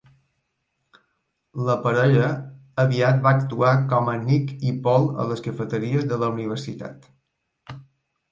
La parella aviat va actuar com a Nick i Paul a les cafeteries de la universitat.